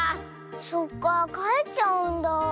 そっかかえっちゃうんだ。